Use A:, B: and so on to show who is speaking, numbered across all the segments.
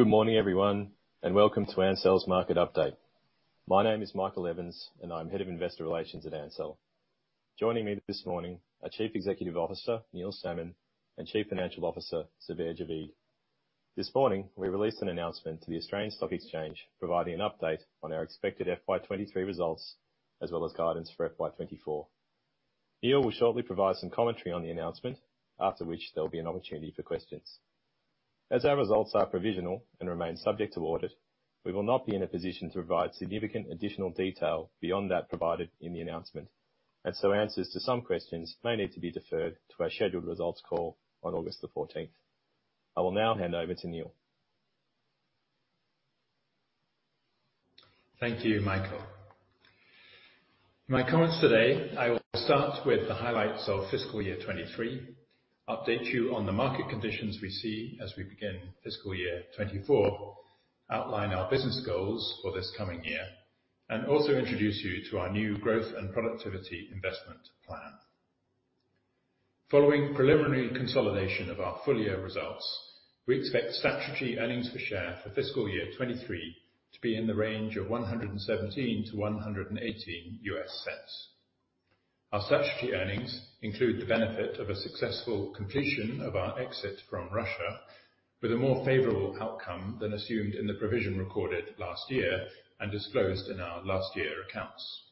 A: Good morning, everyone, and welcome to Ansell's market update. My name is Michael Evans, and I'm Head of Investor Relations at Ansell. Joining me this morning are Chief Executive Officer, Neil Salmon, and Chief Financial Officer, Zubair Javeed. This morning, we released an announcement to the Australian Securities Exchange, providing an update on our expected FY 2023 results, as well as guidance for FY 2024. Neil will shortly provide some commentary on the announcement, after which there'll be an opportunity for questions. As our results are provisional and remain subject to audit, we will not be in a position to provide significant additional detail beyond that provided in the announcement. Answers to some questions may need to be deferred to our scheduled results call on August the 14th. I will now hand over to Neil.
B: Thank you, Michael. In my comments today, I will start with the highlights of fiscal year 2023, update you on the market conditions we see as we begin fiscal year 2024, outline our business goals for this coming year, and also introduce you to our new growth and productivity investment plan. Following preliminary consolidation of our full year results, we expect statutory earnings per share for fiscal year 2023 to be in the range of $1.17-$1.18. Our statutory earnings include the benefit of a successful completion of our exit from Russia, with a more favorable outcome than assumed in the provision recorded last year and disclosed in our last year accounts.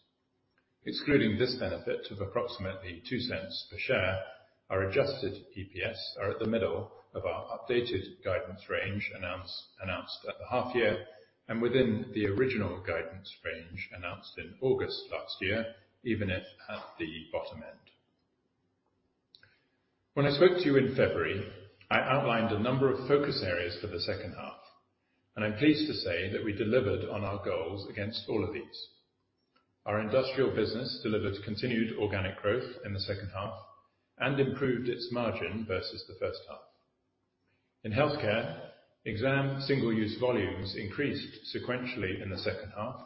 B: Excluding this benefit of approximately $0.02 per share, our adjusted EPS are at the middle of our updated guidance range announced at the half year and within the original guidance range announced in August last year, even if at the bottom end. When I spoke to you in February, I outlined a number of focus areas for the second half, I'm pleased to say that we delivered on our goals against all of these. Our industrial business delivered continued organic growth in the second half improved its margin versus the first half. In healthcare, exam single-use volumes increased sequentially in the second half,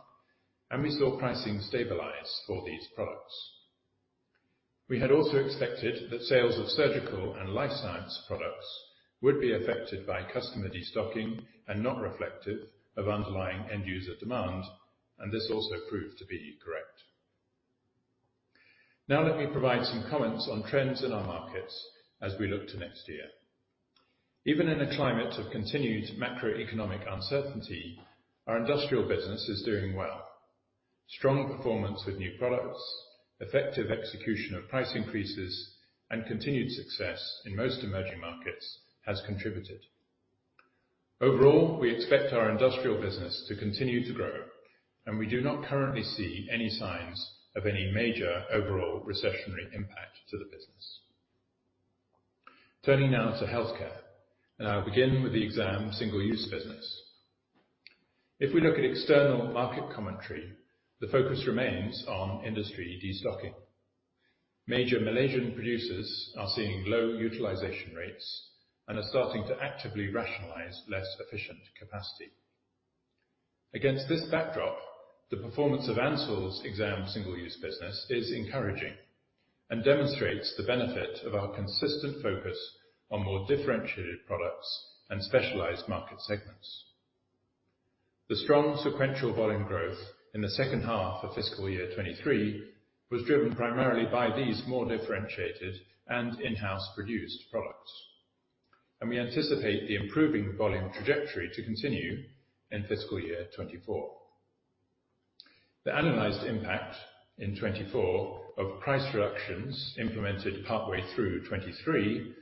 B: we saw pricing stabilize for these products. We had also expected that sales of surgical and life science products would be affected by customer destocking and not reflective of underlying end user demand, this also proved to be correct. Let me provide some comments on trends in our markets as we look to next year. Even in a climate of continued macroeconomic uncertainty, our industrial business is doing well. Strong performance with new products, effective execution of price increases, and continued success in most emerging markets has contributed. Overall, we expect our industrial business to continue to grow, and we do not currently see any signs of any major overall recessionary impact to the business. Turning now to healthcare, and I'll begin with the exam single-use business. If we look at external market commentary, the focus remains on industry destocking. Major Malaysian producers are seeing low utilization rates and are starting to actively rationalize less efficient capacity. Against this backdrop, the performance of Ansell's exam single-use business is encouraging and demonstrates the benefit of our consistent focus on more differentiated products and specialized market segments. The strong sequential volume growth in the second half of fiscal year 2023 was driven primarily by these more differentiated and in-house produced products, and we anticipate the improving volume trajectory to continue in fiscal year 2024. The annualized impact in 2024 of price reductions implemented partway through 2023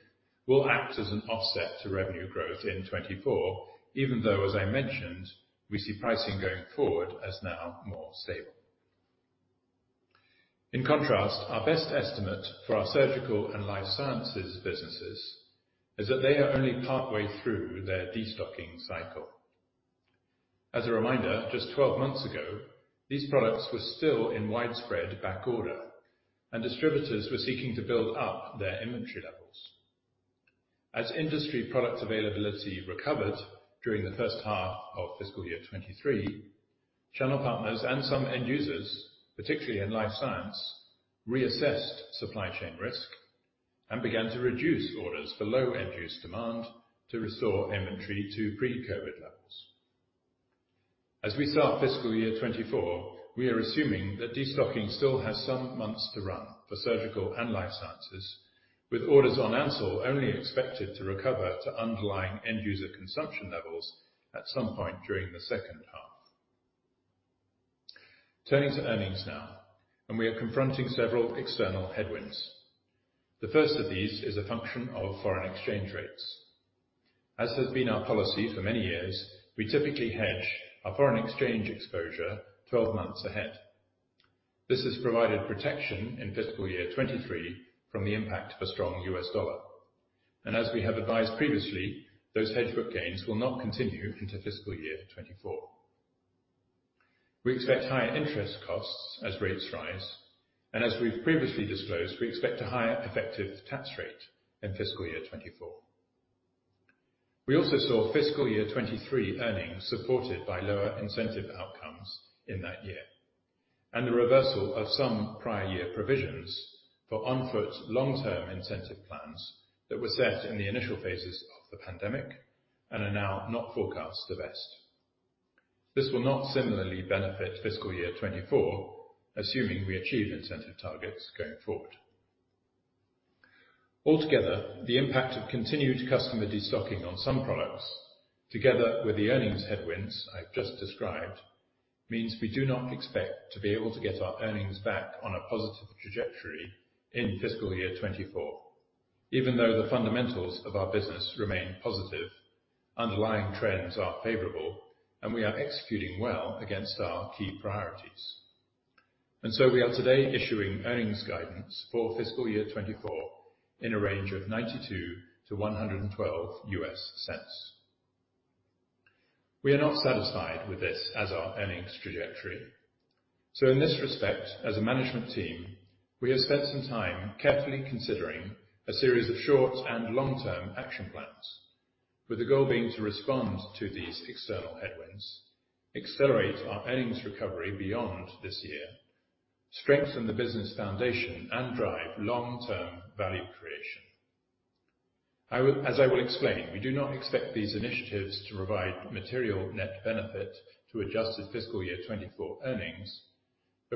B: will act as an offset to revenue growth in 2024, even though, as I mentioned, we see pricing going forward as now more stable. In contrast, our best estimate for our surgical and life sciences businesses is that they are only partway through their destocking cycle. As a reminder, just 12 months ago, these products were still in widespread backorder, and distributors were seeking to build up their inventory levels. As industry product availability recovered during the first half of fiscal year 2023, channel partners and some end users, particularly in life science, reassessed supply chain risk and began to reduce orders for low end-use demand to restore inventory to pre-COVID levels. As we start fiscal year 2024, we are assuming that destocking still has some months to run for surgical and life sciences, with orders on Ansell only expected to recover to underlying end user consumption levels at some point during the second half. Turning to earnings now, we are confronting several external headwinds. The first of these is a function of foreign exchange rates. As has been our policy for many years, we typically hedge our foreign exchange exposure 12 months ahead. This has provided protection in fiscal year 2023 from the impact of a strong US dollar, and as we have advised previously, those hedge book gains will not continue into fiscal year 2024. We expect higher interest costs as rates rise, and as we've previously disclosed, we expect a higher effective tax rate in fiscal year 2024. We also saw fiscal year 2023 earnings supported by lower incentive outcomes in that year, and the reversal of some prior year provisions for on-foot long-term incentive plans that were set in the initial phases of the pandemic and are now not forecast to vest. This will not similarly benefit fiscal year 2024, assuming we achieve incentive targets going forward. Altogether, the impact of continued customer destocking on some products, together with the earnings headwinds I've just described, means we do not expect to be able to get our earnings back on a positive trajectory in fiscal year 2024, even though the fundamentals of our business remain positive, underlying trends are favorable, and we are executing well against our key priorities. We are today issuing earnings guidance for fiscal year 2024 in a range of $0.92-$1.12. We are not satisfied with this as our earnings trajectory, so in this respect, as a management team, we have spent some time carefully considering a series of short and long-term action plans, with the goal being to respond to these external headwinds, accelerate our earnings recovery beyond this year, strengthen the business foundation, and drive long-term value creation. as I will explain, we do not expect these initiatives to provide material net benefit to adjusted fiscal year 24 earnings.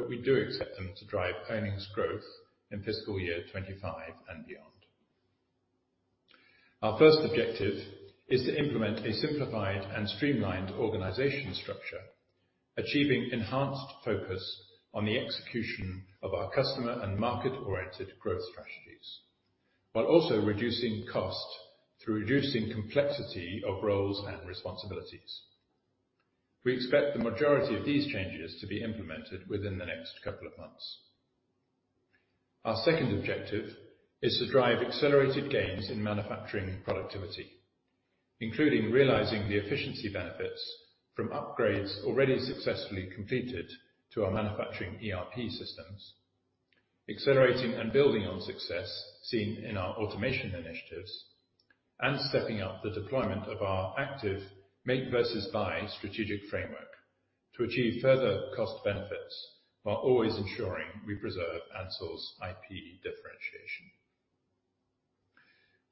B: We do accept them to drive earnings growth in fiscal year 25 and beyond. Our first objective is to implement a simplified and streamlined organization structure, achieving enhanced focus on the execution of our customer and market-oriented growth strategies, while also reducing cost through reducing complexity of roles and responsibilities. We expect the majority of these changes to be implemented within the next couple of months. Our second objective is to drive accelerated gains in manufacturing productivity, including realizing the efficiency benefits from upgrades already successfully completed to our manufacturing ERP systems, accelerating and building on success seen in our automation initiatives, and stepping up the deployment of our active make versus buy strategic framework to achieve further cost benefits while always ensuring we preserve Ansell's IP differentiation.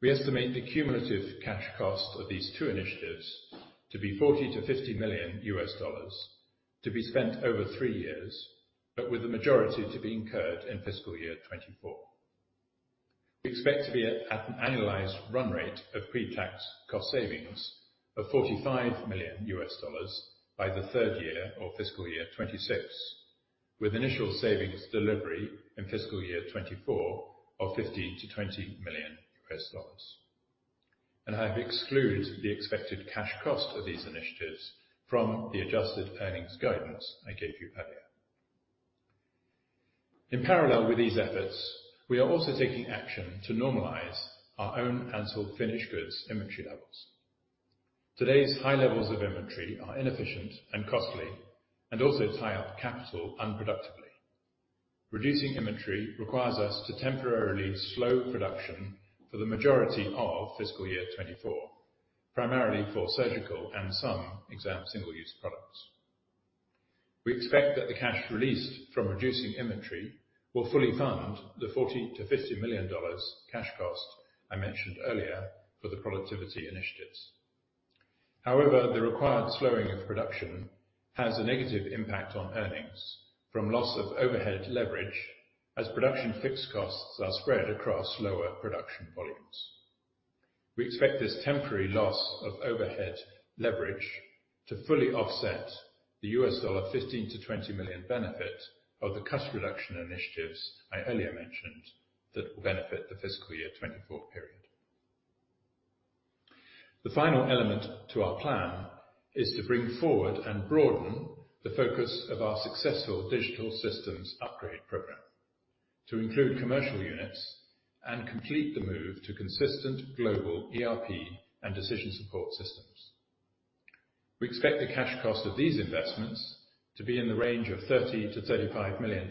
B: We estimate the cumulative cash cost of these two initiatives to be $40 million-$50 million, to be spent over 3 years, but with the majority to be incurred in fiscal year 2024. We expect to be at an annualized run rate of pre-tax cost savings of $45 million by the third year of fiscal year 2026, with initial savings delivery in fiscal year 2024 of $15 million-$20 million. I have excluded the expected cash cost of these initiatives from the adjusted earnings guidance I gave you earlier. In parallel with these efforts, we are also taking action to normalize our own Ansell finished goods inventory levels. Today's high levels of inventory are inefficient and costly and also tie up capital unproductively. Reducing inventory requires us to temporarily slow production for the majority of fiscal year 2024, primarily for surgical and some exam single-use products. We expect that the cash released from reducing inventory will fully fund the $40 million-$50 million cash cost I mentioned earlier for the productivity initiatives. However, the required slowing of production has a negative impact on earnings from loss of overhead leverage, as production fixed costs are spread across lower production volumes. We expect this temporary loss of overhead leverage to fully offset the $15 million-$20 million benefit of the cost reduction initiatives I earlier mentioned that will benefit the fiscal year 2024 period. The final element to our plan is to bring forward and broaden the focus of our successful digital systems upgrade program to include commercial units and complete the move to consistent global ERP and decision support systems. We expect the cash cost of these investments to be in the range of $30 million-$35 million,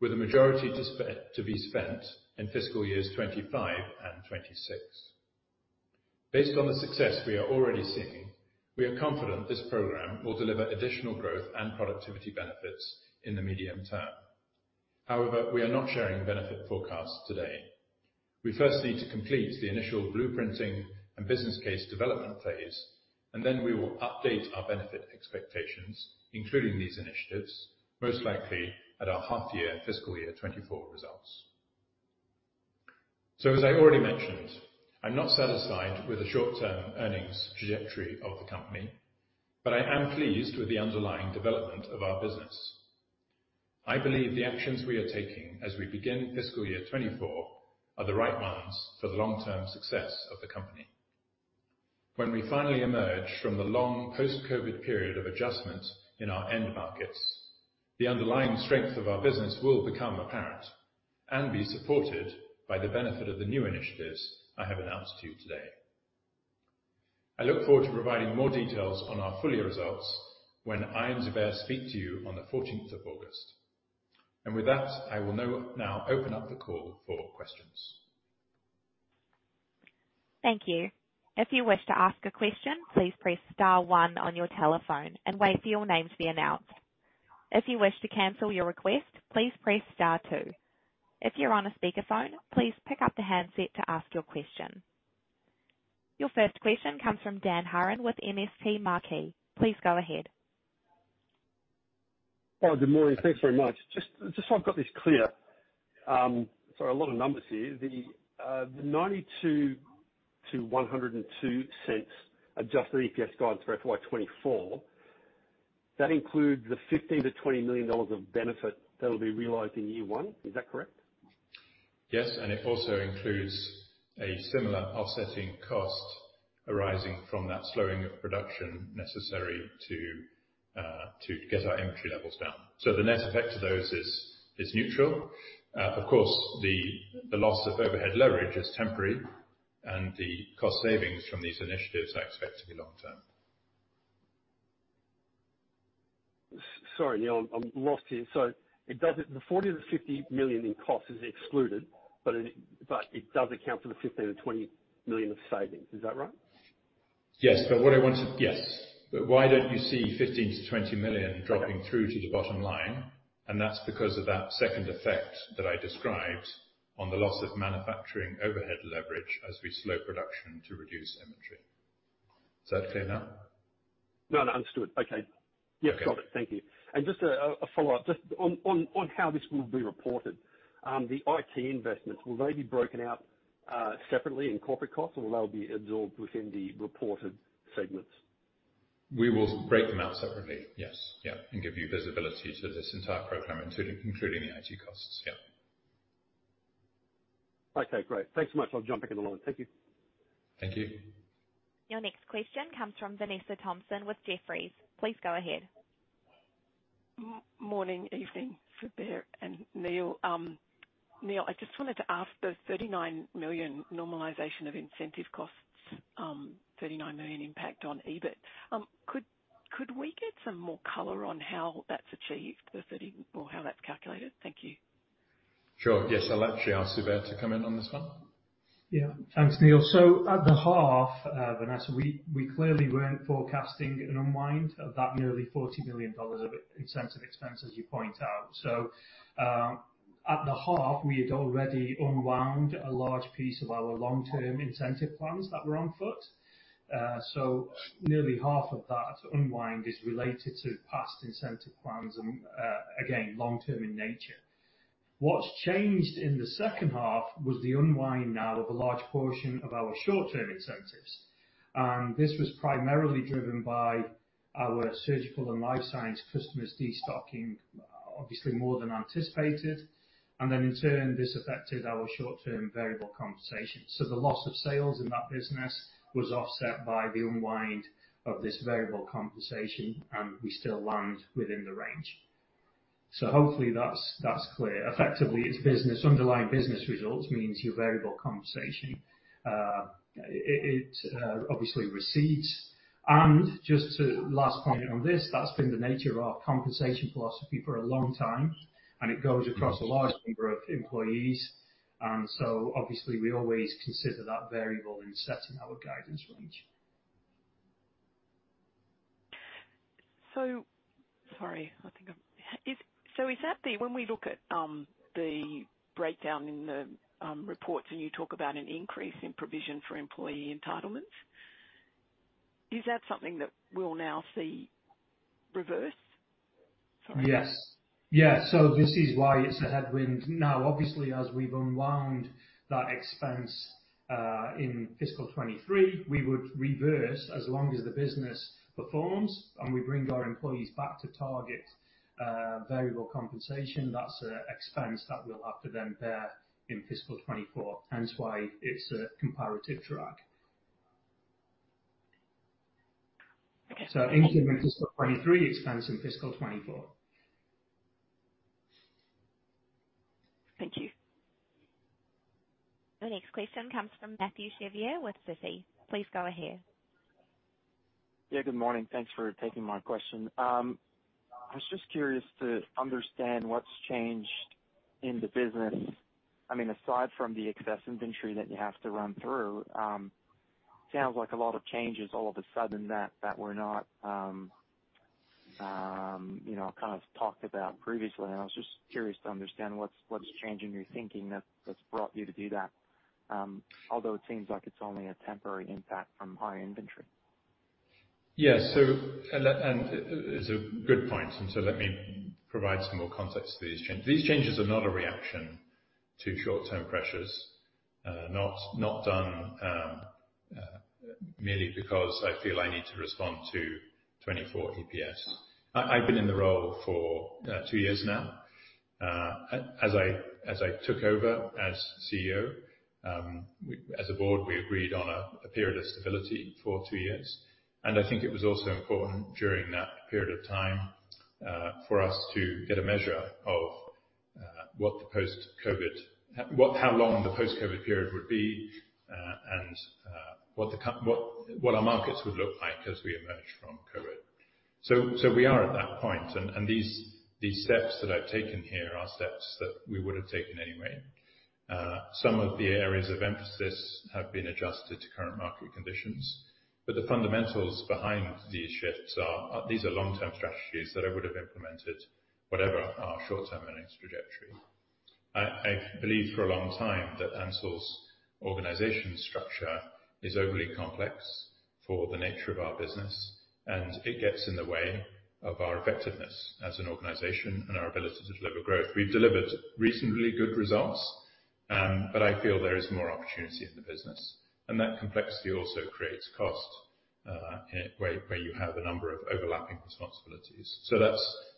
B: with the majority to be spent in fiscal years 2025 and 2026. Based on the success we are already seeing, we are confident this program will deliver additional growth and productivity benefits in the medium term. However, we are not sharing benefit forecasts today. We first need to complete the initial blueprinting and business case development phase, and then we will update our benefit expectations, including these initiatives, most likely at our half year fiscal year 2024 results. As I already mentioned, I'm not satisfied with the short-term earnings trajectory of the company, but I am pleased with the underlying development of our business. I believe the actions we are taking as we begin fiscal year 2024 are the right ones for the long-term success of the company. When we finally emerge from the long post-COVID period of adjustment in our end markets, the underlying strength of our business will become apparent and be supported by the benefit of the new initiatives I have announced to you today. I look forward to providing more details on our full year results when I and Zubair speak to you on the fourteenth of August. With that, I will now open up the call for questions.
C: Thank you. If you wish to ask a question, please press star one on your telephone and wait for your name to be announced. If you wish to cancel your request, please press star two. If you're on a speakerphone, please pick up the handset to ask your question. Your first question comes from Dan Hurren with MST Marquee. Please go ahead.
D: Hi, good morning. Thanks very much. Just so I've got this clear. A lot of numbers here. The $0.92-$1.02 adjusted EPS guidance for FY 2024, that includes the $15 million-$20 million of benefit that will be realized in year one. Is that correct?
B: It also includes a similar offsetting cost arising from that slowing of production necessary to get our inventory levels down. The net effect of those is neutral. Of course, the loss of overhead leverage is temporary. The cost savings from these initiatives I expect to be long-term.
D: Sorry, Neil, I'm lost here. The $40 million-$50 million in cost is excluded, but it does account for the $15 million-$20 million of savings. Is that right?
B: Yes. Yes. Why don't you see $15 million-$20 million dropping through to the bottom line? That's because of that second effect that I described on the loss of manufacturing overhead leverage as we slow production to reduce inventory. Is that clear now?
D: No, no, understood. Okay.
B: Okay.
D: Yeah, got it. Thank you. Just a follow-up, just on how this will be reported. The IT investments, will they be broken out, separately in corporate costs, or will they be absorbed within the reported segments?
B: We will break them out separately, yes. Yeah, give you visibility to this entire program, including the IT costs. Yeah.
D: Okay, great. Thanks so much. I'll jump back in the line. Thank you.
B: Thank you.
C: Your next question comes from Vanessa Thomson with Jefferies. Please go ahead.
E: Morning, evening, Hubert and Neil. Neil, I just wanted to ask the $39 million normalization of incentive costs, $39 million impact on EBIT. Could we get some more color on how that's achieved, or how that's calculated? Thank you.
B: Sure. Yes. I'll actually ask Zubair to come in on this one.
F: Thanks, Neil Salmon. At the half, Vanessa Thomson, we clearly weren't forecasting an unwind of that nearly $40 million of incentive expense, as you point out. At the half, we had already unwound a large piece of our long-term incentive plans that were on foot. Nearly half of that unwind is related to past incentive plans and, again, long-term in nature. What's changed in the second half was the unwind now of a large portion of our short-term incentives. This was primarily driven by our surgical and Life Science customers destocking, obviously, more than anticipated, in turn, this affected our short-term variable compensation. The loss of sales in that business was offset by the unwind of this variable compensation, and we still land within the range. Hopefully that's clear. Effectively, it's underlying business results means your variable compensation, it obviously recedes. Just to last point on this, that's been the nature of our compensation philosophy for a long time, it goes across a large number of employees. Obviously, we always consider that variable in setting our guidance range.
E: Sorry, is that the, when we look at the breakdown in the reports, and you talk about an increase in provision for employee entitlements, is that something that we'll now see reversed? Sorry.
F: Yes. Yes. This is why it's a headwind. Obviously, as we've unwound that expense in fiscal 23, we would reverse as long as the business performs and we bring our employees back to target variable compensation. That's an expense that we'll have to then bear in fiscal 24, hence why it's a comparative drag.
E: Okay.
F: In fiscal 2023, expense in fiscal 2024.
E: Thank you.
C: The next question comes from Matthieu Chevrier with Citi. Please go ahead.
G: Yeah, good morning. Thanks for taking my question. I was just curious to understand what's changed in the business. I mean, aside from the excess inventory that you have to run through, sounds like a lot of changes all of a sudden that were not, you know, kind of talked about previously. I was just curious to understand what's changing your thinking that's brought you to do that, although it seems like it's only a temporary impact from high inventory.
B: Yes. It's a good point. Let me provide some more context to these changes. These changes are not a reaction to short-term pressures, not done merely because I feel I need to respond to 2024 EPS. I've been in the role for 2 years now. As I took over as CEO, we, as a board, we agreed on a period of stability for 2 years, and I think it was also important during that period of time for us to get a measure of what the post-COVID, how long the post-COVID period would be, and what our markets would look like as we emerge from COVID. We are at that point, and these steps that I've taken here are steps that we would have taken anyway. Some of the areas of emphasis have been adjusted to current market conditions, but the fundamentals behind these shifts are, these are long-term strategies that I would have implemented, whatever our short-term earnings trajectory. I believed for a long time that Ansell's organization structure is overly complex for the nature of our business, and it gets in the way of our effectiveness as an organization and our ability to deliver growth. We've delivered reasonably good results, but I feel there is more opportunity in the business, and that complexity also creates cost, where you have a number of overlapping responsibilities.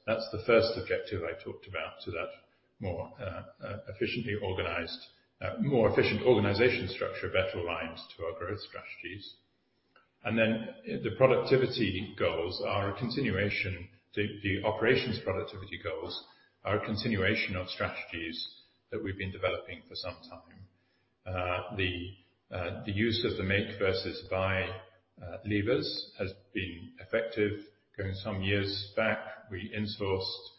B: That's the first objective I talked about, so that more efficiently organized, more efficient organization structure, better aligned to our growth strategies. The productivity goals are a continuation. The operations productivity goals are a continuation of strategies that we've been developing for some time. The use of the make versus buy levers has been effective going some years back. We insourced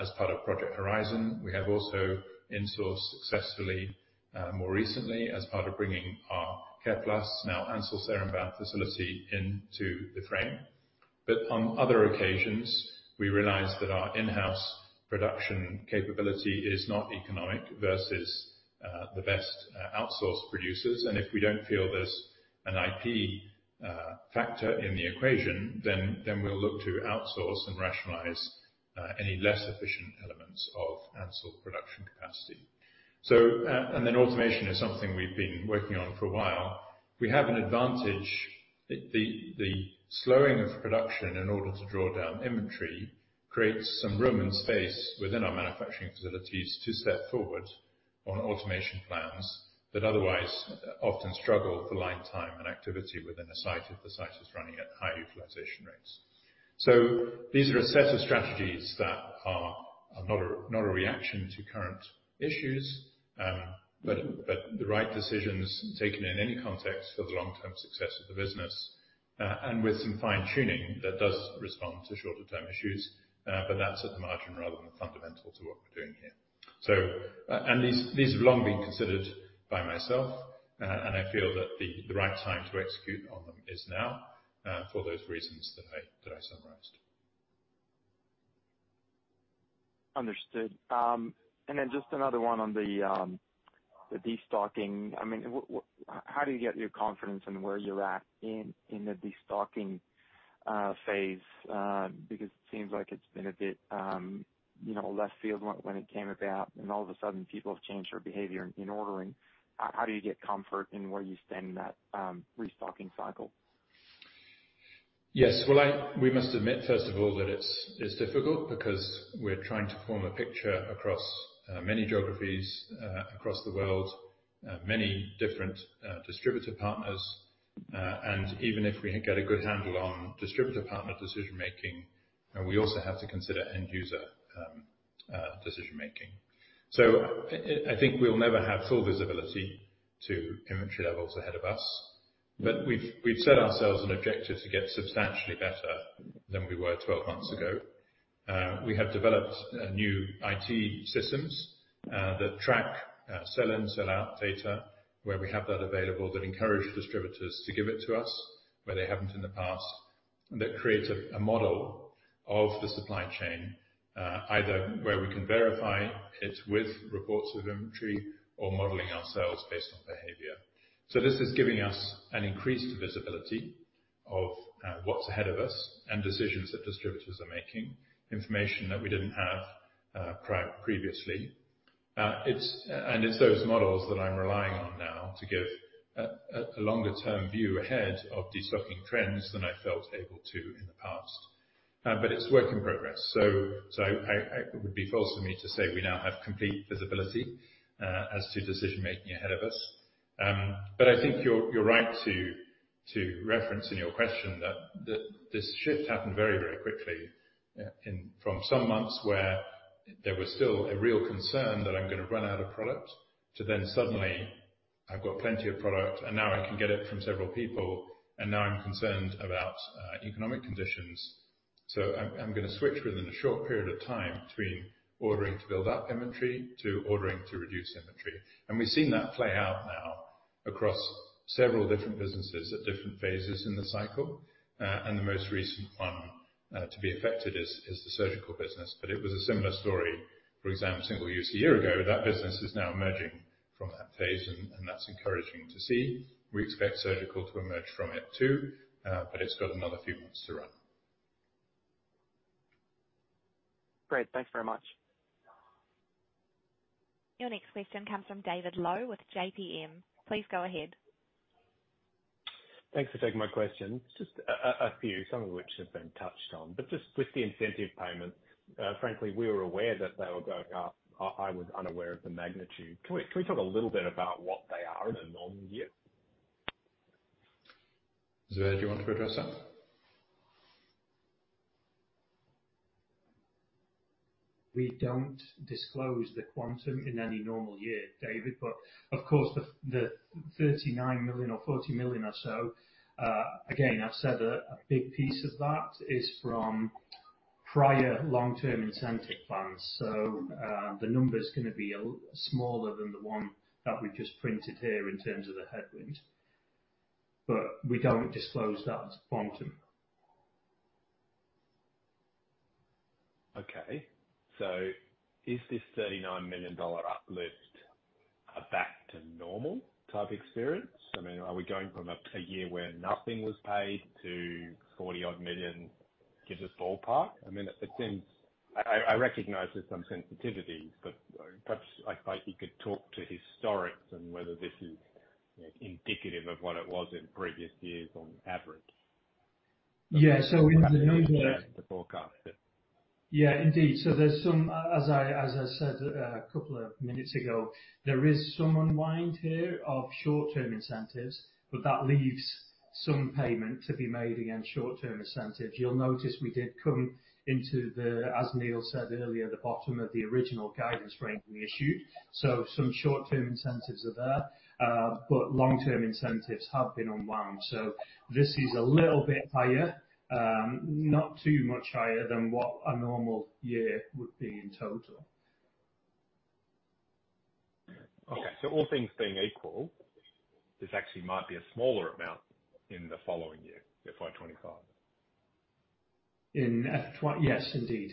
B: as part of Project Horizon. We have also insourced successfully more recently as part of bringing our Careplus, now Ansell Seremban facility into the frame. On other occasions, we realized that our in-house production capability is not economic versus the best outsourced producers. If we don't feel there's an IP factor in the equation, then we'll look to outsource and rationalize any less efficient elements of Ansell production capacity. Automation is something we've been working on for a while. We have an advantage. The slowing of production in order to draw down inventory creates some room and space within our manufacturing facilities to step forward on automation plans that otherwise often struggle for line time and activity within a site, if the site is running at high utilization rates. These are a set of strategies that are not a reaction to current issues, but the right decisions taken in any context for the long-term success of the business, and with some fine-tuning, that does respond to shorter term issues, but that's at the margin rather than fundamental to what we're doing here. These have long been considered by myself, and I feel that the right time to execute on them is now, for those reasons that I summarized.
G: Understood. Just another one on the destocking. I mean, what, how do you get your confidence in where you're at in the destocking phase? Because it seems like it's been a bit, you know, left field when it came about, and all of a sudden, people have changed their behavior in ordering. How do you get comfort in where you stand in that restocking cycle?
B: Yes, well, we must admit, first of all, that it's difficult because we're trying to form a picture across many geographies, across the world, many different distributor partners. And even if we get a good handle on distributor partner decision-making, and we also have to consider end user decision-making. I think we'll never have full visibility to inventory levels ahead of us, but we've set ourselves an objective to get substantially better than we were 12 months ago. We have developed new IT systems that track sell in, sell out data, where we have that available, that encourage distributors to give it to us, where they haven't in the past. That creates a model of the supply chain, either where we can verify it with reports of inventory or modeling ourselves based on behavior. This is giving us an increased visibility of what's ahead of us and decisions that distributors are making, information that we didn't have previously. It's those models that I'm relying on now to give a longer-term view ahead of destocking trends than I felt able to in the past. It's work in progress, so it would be false for me to say we now have complete visibility as to decision-making ahead of us. I think you're right to reference in your question that this shift happened very quickly, in, from some months, where there was still a real concern that I'm gonna run out of product, to then suddenly I've got plenty of product, and now I can get it from several people, and now I'm concerned about economic conditions. I'm gonna switch within a short period of time between ordering to build up inventory, to ordering to reduce inventory. We've seen that play out now across several different businesses at different phases in the cycle. The most recent one, to be affected is the surgical business, but it was a similar story. For example, single-use a year ago, that business is now emerging from that phase, and that's encouraging to see. We expect surgical to emerge from it too, but it's got another few months to run.
G: Great. Thanks very much.
C: Your next question comes from David Low with JPM. Please go ahead.
H: Thanks for taking my question. Just a few, some of which have been touched on, but just with the incentive payments, frankly, we were aware that they were going up. I was unaware of the magnitude. Can we talk a little bit about what they are in a non-year?...
B: Zubair, do you want to address that?
F: We don't disclose the quantum in any normal year, David. Of course, the $39 million or $40 million or so, again, I've said that a big piece of that is from prior long-term incentive plans. The number's gonna be a smaller than the one that we've just printed here in terms of the headwind, but we don't disclose that quantum.
H: Is this $39 million uplift a back to normal type experience? I mean, are we going from a year where nothing was paid to $40 odd million? Give us ballpark. I mean, it seems I recognize there's some sensitivity, but perhaps, like, if you could talk to historics and whether this is, you know, indicative of what it was in previous years on average?
F: Yeah, in the number.
H: To forecast it.
F: Indeed. There's some... As I said 2 minutes ago, there is some unwind here of short-term incentives, but that leaves some payment to be made against short-term incentives. You'll notice we did come into the, as Neil said earlier, the bottom of the original guidance range we issued. Some short-term incentives are there, but long-term incentives have been unwound. This is a little bit higher, not too much higher than what a normal year would be in total.
H: Okay. All things being equal, this actually might be a smaller amount in the following year, in FY 2025.
F: In F 20-. Yes, indeed.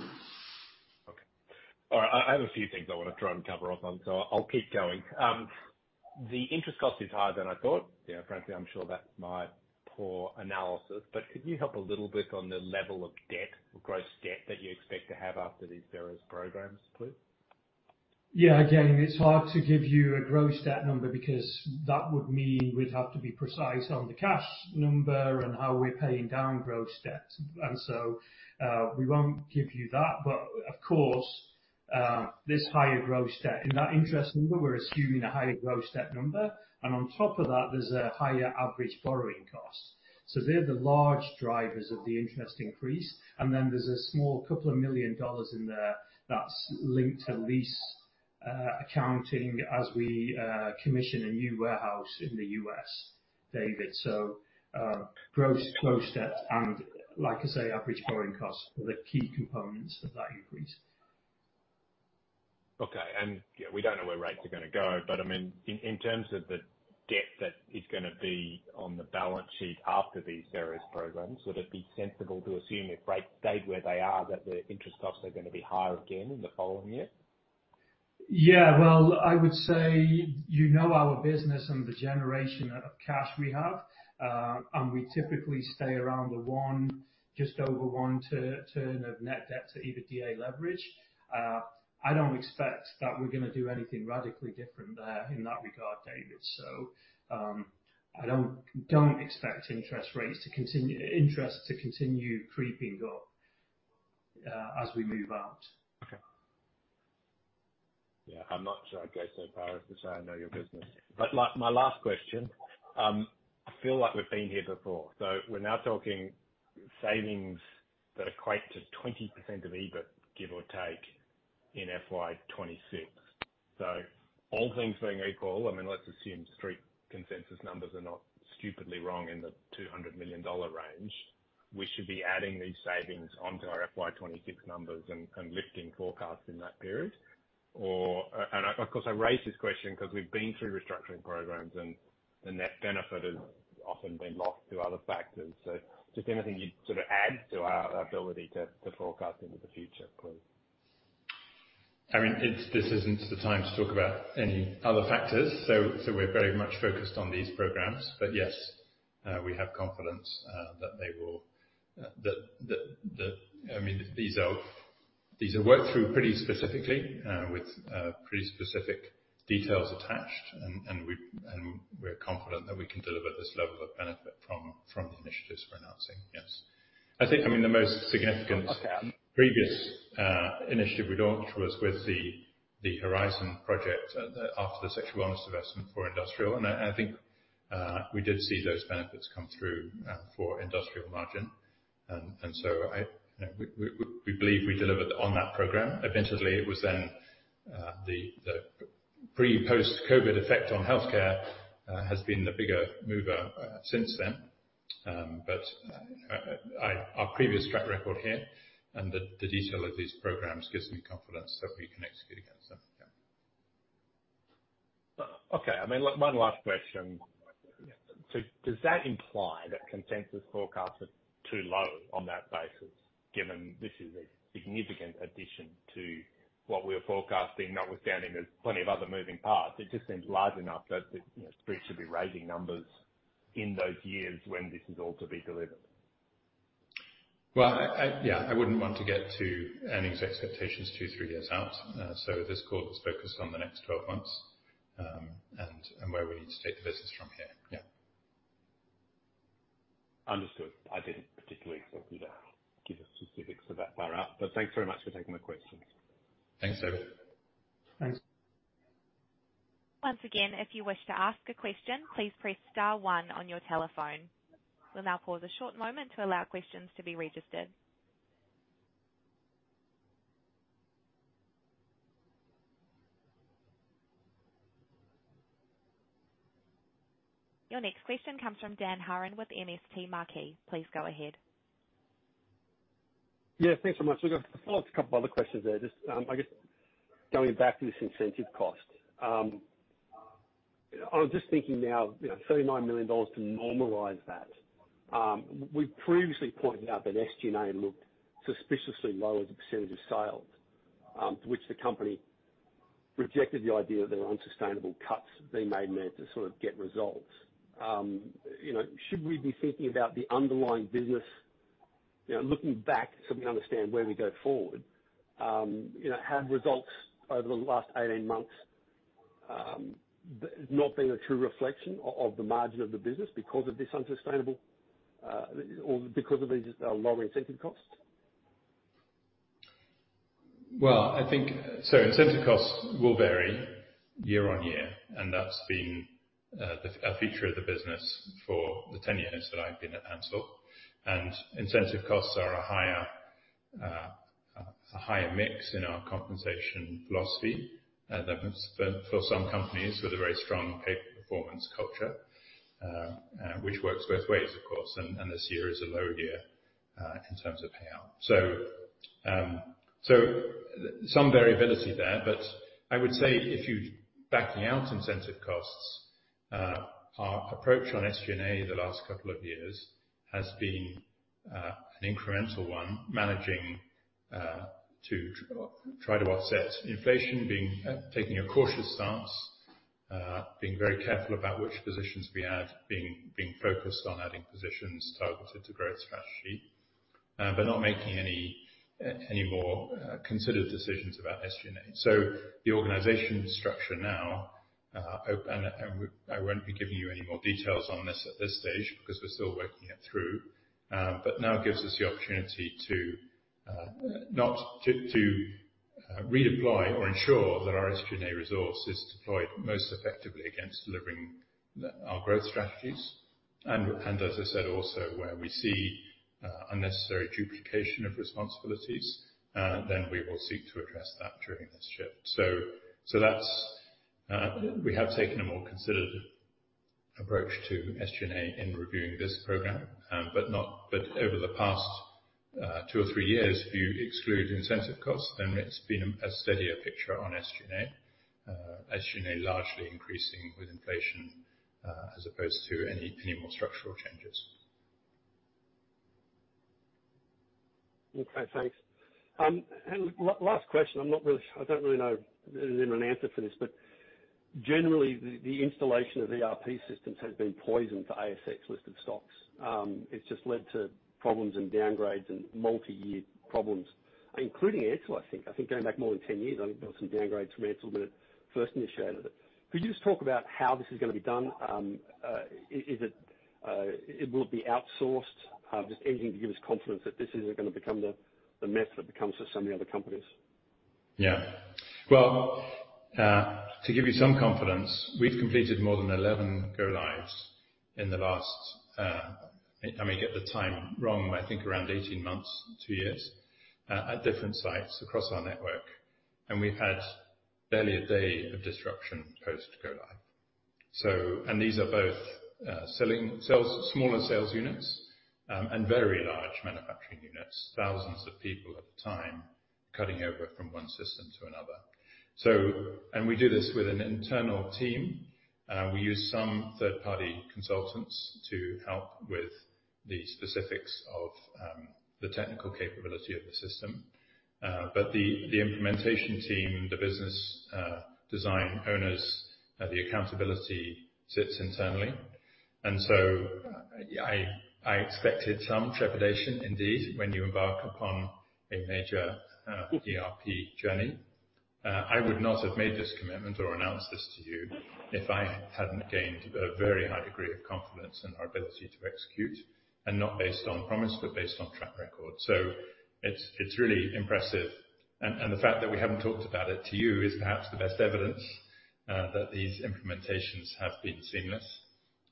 H: Okay. All right, I have a few things I want to try and cover off on. I'll keep going. The interest cost is higher than I thought. Yeah, frankly, I'm sure that's my poor analysis. Could you help a little bit on the level of debt or gross debt that you expect to have after these various programs, please?
F: Again, it's hard to give you a gross debt number, because that would mean we'd have to be precise on the cash number and how we're paying down gross debt. We won't give you that. Of course, this higher gross debt, in that interest number, we're assuming a higher gross debt number, and on top of that, there's a higher average borrowing cost. They're the large drivers of the interest increase, and then there's a small $2 million in there that's linked to lease accounting as we commission a new warehouse in the U.S., David. Gross debt and, like I say, average borrowing costs are the key components of that increase.
H: Okay. Yeah, we don't know where rates are gonna go, but I mean, in terms of the debt that is gonna be on the balance sheet after these various programs, would it be sensible to assume if rates stayed where they are, that the interest costs are gonna be higher again in the following year?
F: Yeah. Well, I would say, you know our business, the generation of cash we have, we typically stay around the 1, just over 1 to turn of net debt to EBITDA leverage. I don't expect that we're gonna do anything radically different there in that regard, David. I don't expect interest rates to continue creeping up, as we move out.
H: Okay. Yeah. I'm not sure I'd go so far as to say I know your business, but like my last question, I feel like we've been here before. We're now talking savings that equate to 20% of EBIT, give or take, in FY 2026. All things being equal, I mean, let's assume street consensus numbers are not stupidly wrong in the $200 million range, we should be adding these savings onto our FY 2026 numbers and lifting forecasts in that period. Or, of course, I raise this question because we've been through restructuring programs, and that benefit has often been lost to other factors. Just anything you'd sort of add to our ability to forecast into the future, please?
B: I mean, it's this isn't the time to talk about any other factors, so we're very much focused on these programs. Yes, we have confidence that they will, that... I mean, these are worked through pretty specifically, with pretty specific details attached, and we're confident that we can deliver this level of benefit from the initiatives we're announcing. Yes. I think, I mean, the most significant...
H: Okay.
B: -previous initiative we launched was with the Project Horizon after the Sexual Wellness divestment for industrial, and I think we did see those benefits come through for industrial margin. We believe we delivered on that program. Eventually, it was then the pre, post-COVID effect on healthcare has been the bigger mover since then. Our previous track record here and the detail of these programs gives me confidence that we can execute against them. Yeah.
H: Okay. I mean, one last question: Does that imply that consensus forecasts are too low on that basis, given this is a significant addition to what we're forecasting, notwithstanding there's plenty of other moving parts? It just seems large enough that the, you know, street should be raising numbers in those years when this is all to be delivered.
B: Well, I, yeah, I wouldn't want to get to earnings expectations two, three years out. This call is focused on the next 12 months, and where we need to take the business from here. Yeah.
H: Understood. I didn't particularly expect you to give us specifics that far out, but thanks very much for taking my questions.
B: Thanks, David.
F: Thanks.
C: Once again, if you wish to ask a question, please press star one on your telephone. We'll now pause a short moment to allow questions to be registered. Your next question comes from Dan Hurren with MST Marquee. Please go ahead.
D: Thanks so much. We've got a couple other questions there. Just, I guess going back to this incentive cost. I was just thinking now, you know, $39 million to normalize that. We've previously pointed out that SGNA looked suspiciously low as a percentage of sales, to which the company rejected the idea that there were unsustainable cuts being made there to sort of get results. You know, should we be thinking about the underlying business, you know, looking back, so we understand where we go forward, you know, have results over the last 18 months not being a true reflection of the margin of the business because of this unsustainable, or because of these lower incentive costs?
B: Well, I think. Incentive costs will vary year-on-year, and that's been a feature of the business for the 10 years that I've been at Ansell. Incentive costs are a higher mix in our compensation philosophy than for some companies with a very strong pay-for-performance culture which works both ways, of course. This year is a lower year in terms of payout. Some variability there, but I would say if you backing out incentive costs, our approach on SGNA the last couple of years has been an incremental one, managing to try to offset inflation, taking a cautious stance, being very careful about which positions we have, being focused on adding positions targeted to growth strategy, but not making any more considered decisions about SGNA. The organization structure now, and I won't be giving you any more details on this at this stage because we're still working it through. But now it gives us the opportunity to not to reapply or ensure that our SGNA resource is deployed most effectively against delivering the, our growth strategies. As I said, also where we see unnecessary duplication of responsibilities, then we will seek to address that during this shift. That's we have taken a more considered approach to SGNA in reviewing this program. Over the past, two or three years, if you exclude incentive costs, then it's been a steadier picture on SGNA. SGNA largely increasing with inflation, as opposed to any more structural changes.
D: Okay, thanks. Last question, I'm not really, I don't really know even an answer for this, but generally, the installation of ERP systems has been poison to ASX listed stocks. It's just led to problems and downgrades and multi-year problems, including Ansell I think. I think going back more than 10 years, I think there were some downgrades from Ansell when it first initiated it. Could you just talk about how this is gonna be done? Is it, will it be outsourced? Just anything to give us confidence that this isn't gonna become the myth that becomes for so many other companies.
B: Well, to give you some confidence, we've completed more than 11 go-lives in the last, I may get the time wrong, I think around 18 months, two years, at different sites across our network, and we've had barely a day of disruption post-go-live. These are both, selling... Sales, smaller sales units, and very large manufacturing units, thousands of people at the time, cutting over from one system to another. We do this with an internal team. We use some third-party consultants to help with the specifics of the technical capability of the system. The implementation team, the business design owners, the accountability sits internally. I expected some trepidation, indeed, when you embark upon a major ERP journey. I would not have made this commitment or announced this to you if I hadn't gained a very high degree of confidence in our ability to execute, and not based on promise, but based on track record. It's really impressive, and the fact that we haven't talked about it to you is perhaps the best evidence that these implementations have been seamless.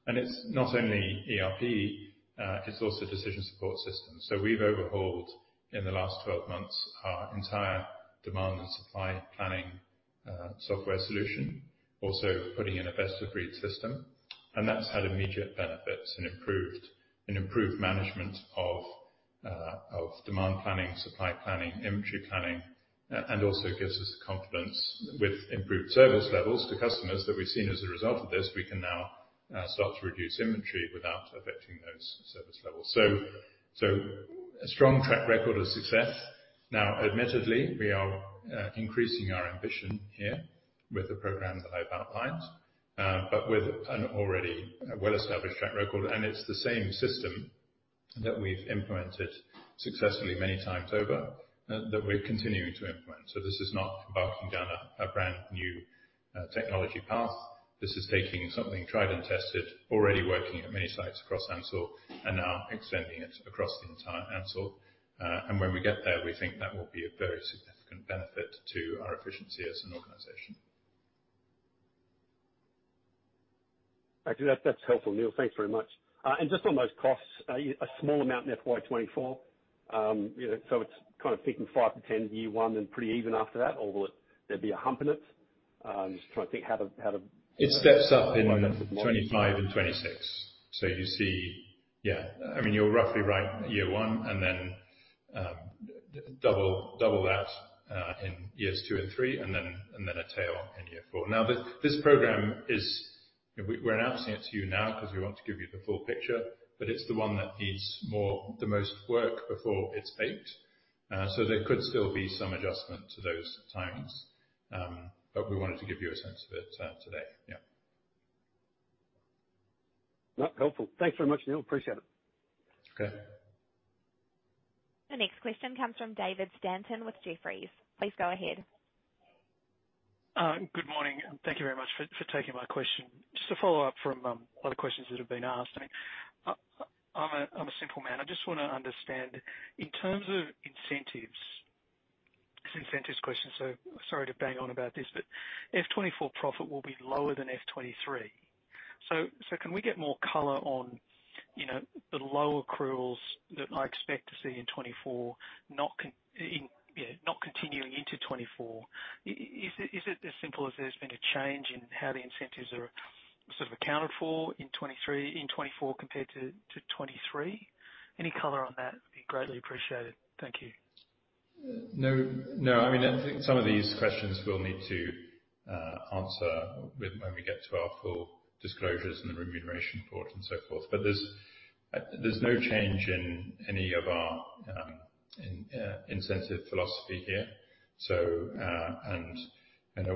B: It's not only ERP, it's also decision support systems. We've overhauled, in the last 12 months, our entire demand and supply planning software solution, also putting in a best-of-breed system, and that's had immediate benefits and improved, an improved management of demand planning, supply planning, inventory planning, and also gives us the confidence with improved service levels to customers that we've seen as a result of this, we can now start to reduce inventory without affecting those service levels. A strong track record of success. Admittedly, we are increasing our ambition here with the program that I've outlined, but with an already well-established track record, and it's the same system that we've implemented successfully many times over, that we're continuing to implement. This is not embarking down a brand new technology path. This is taking something tried and tested, already working at many sites across Ansell, and now extending it across the entire Ansell. When we get there, we think that will be a very significant benefit to our efficiency as an organization.
D: Actually, that's helpful, Neil. Thanks very much. Just on those costs, a small amount in FY 2024. you know, it's kind of peaking $5-$10 year one and pretty even after that, or there'd be a hump in it? I'm just trying to think how to.
B: It steps up in 25 and 26. Yeah, I mean, you're roughly right, year one, and then double that in years 2 and 3, and then a tail in year 4. This program we're announcing it to you now 'cause we want to give you the full picture, but it's the one that needs the most work before it's baked. There could still be some adjustment to those timings. We wanted to give you a sense of it today. Yeah.
D: No, helpful. Thanks very much, Neil. Appreciate it.
B: Okay.
C: The next question comes from David Stanton with Jefferies. Please go ahead.
I: Good morning, thank you very much for taking my question. Just a follow-up from other questions that have been asked, I'm a simple man. I just wanna understand, in terms of incentives, it's an incentives question, sorry to bang on about this, F 24 profit will be lower than F 23. Can we get more color on, you know, the low accruals that I expect to see in 24, not continuing into 24? Is it as simple as there's been a change in how the incentives are sort of accounted for in 23, in 24 compared to 23? Any color on that would be greatly appreciated. Thank you.
B: No, no. I mean, I think some of these questions we'll need to answer when we get to our full disclosures and the remuneration report and so forth. There's no change in any of our incentive philosophy here. And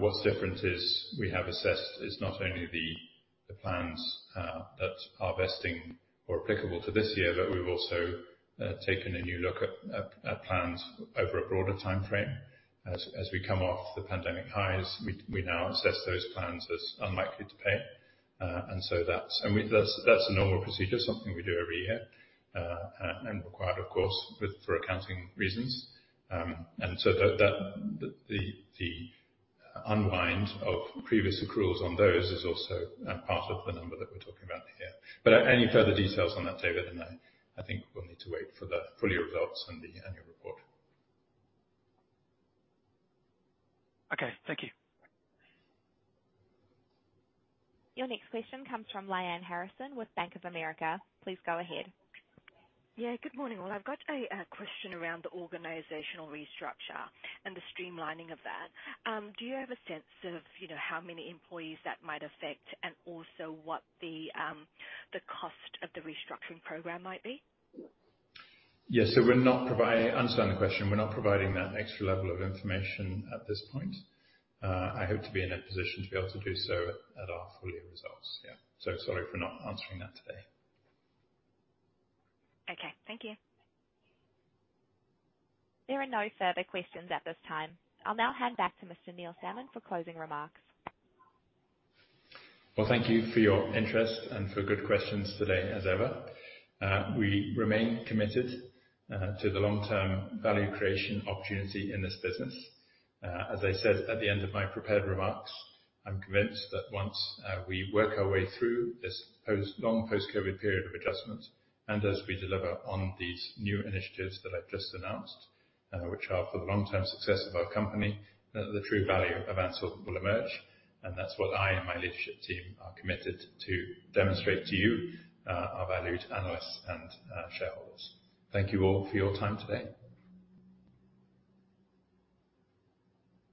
B: what's different is we have assessed it's not only the plans that are vesting or applicable to this year, but we've also taken a new look at plans over a broader timeframe. As we come off the pandemic highs, we now assess those plans as unlikely to pay. And so that's a normal procedure, something we do every year and required, of course, for accounting reasons. That the unwind of previous accruals on those is also part of the number that we're talking about here. Any further details on that, David, and I think we'll need to wait for the full year results and the annual report.
I: Okay. Thank you.
C: Your next question comes from Lyanne Harrison with Bank of America. Please go ahead.
J: Good morning. Well, I've got a question around the organizational restructure and the streamlining of that. Do you have a sense of, you know, how many employees that might affect and also what the cost of the restructuring program might be?
B: Yes. I understand the question. We're not providing that extra level of information at this point. I hope to be in a position to be able to do so at our full year results. Yeah. Sorry for not answering that today.
J: Okay. Thank you.
C: There are no further questions at this time. I'll now hand back to Mr. Neil Salmon for closing remarks.
B: Well, thank you for your interest and for good questions today as ever. We remain committed to the long-term value creation opportunity in this business. As I said at the end of my prepared remarks, I'm convinced that once we work our way through this long post-COVID period of adjustment, and as we deliver on these new initiatives that I've just announced, which are for the long-term success of our company, the true value of Ansell will emerge, and that's what I and my leadership team are committed to demonstrate to you, our valued analysts and shareholders. Thank you all for your time today.